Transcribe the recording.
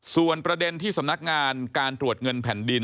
ส่วนประเด็นที่สำนักงานการตรวจเงินแผ่นดิน